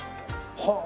はあ！